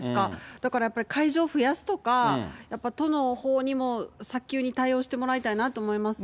だからやっぱり、会場増やすとか、やっぱり都のほうにも早急に対応してもらいたいなと思いますね。